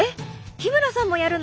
日村さんもやるの！？